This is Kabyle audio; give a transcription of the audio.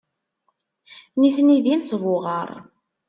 Nitni d inesbuɣar.